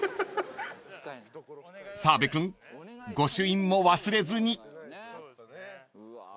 ［澤部君御朱印も忘れずに］